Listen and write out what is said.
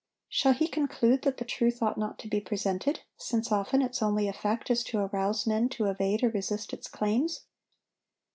Shall he conclude that the truth ought not to be presented, since often its only effect is to arouse men to evade or resist its claims?